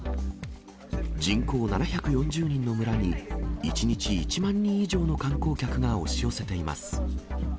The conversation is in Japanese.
人口７４０人の村に、１日１万人以上の観光客が押し寄せています。